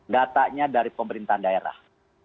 datanya dari pemerintah daerah